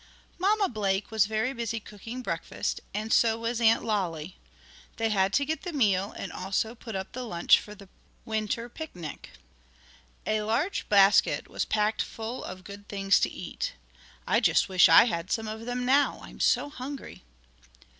Mamma Blake was very busy cooking breakfast, and so was Aunt Lolly. They had to get the meal and also put up the lunch for the printer pic nic. A large basket was packed full of good things to eat. I just wish I had some of them now, I'm so hungry!